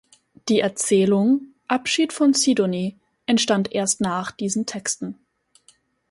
Die Erzählung "Abschied von Sidonie" entstand erst nach diesen Texten.